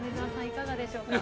いかがでしょうか？